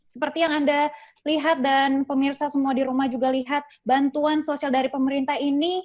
seperti yang anda lihat dan pemirsa semua di rumah juga lihat bantuan sosial dari pemerintah ini